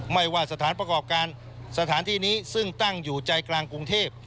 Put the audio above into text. ไม่ว่าสถานประกอบการสถานที่นี้ซึ่งตั้งอยู่ใจกลางกรุงเทพ